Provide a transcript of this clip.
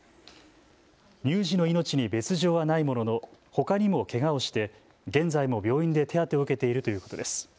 乳児の命に別状はないもののほかにもけがをして現在も病院で手当てを受けているということです。